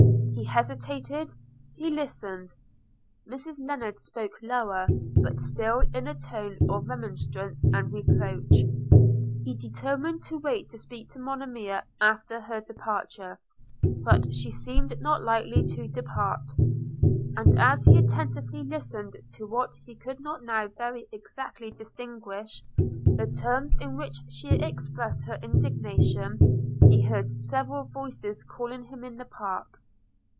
He hesitated; he listened; Mrs Lennard spoke lower, but still in a tone of remonstrance and reproach. He determined to wait to speak to Monimia after her departure, but she seemed not likely to depart; and as he attentively listened to what he could not now very exactly distinguish, the terms in which she expressed her indignation, he heard several voices calling him in the park.